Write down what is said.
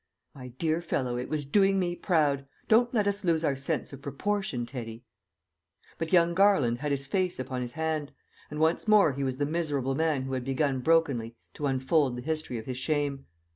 "My dear fellow, it was doing me proud; don't let us lose our sense of proportion, Teddy." But young Garland had his face upon his hand, and once more he was the miserable man who had begun brokenly to unfold the history of his shame.